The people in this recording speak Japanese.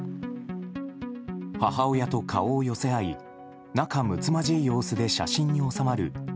母親と顔を寄せ合い仲むつまじい様子で写真に納まる